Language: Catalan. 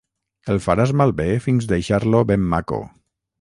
El faràs malbé fins deixar-lo ben maco.